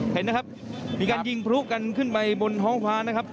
เห็นไหมครับมีการยิงพลุกันขึ้นไปบนท้องฟ้านะครับ